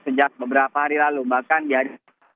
sejak beberapa hari lalu bahkan di hari